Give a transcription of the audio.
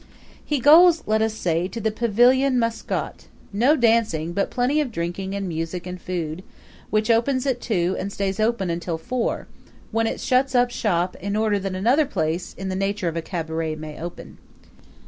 He goes, let us say, to the Pavilion Mascotte no dancing, but plenty of drinking and music and food which opens at two and stays open until four, when it shuts up shop in order that another place in the nature of a cabaret may open.